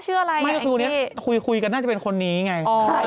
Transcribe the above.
คือคุยกันน่าจะเป็นคนนี้ไง